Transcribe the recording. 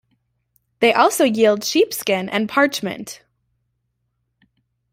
They also yield sheepskin and parchment.